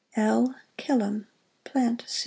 L. KILLAM, Plant Supt.